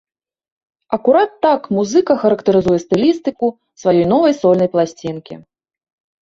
Акурат так музыка характарызуе стылістыку сваёй новай сольнай пласцінкі.